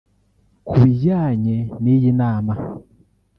Ku bijyanye n’iyi nama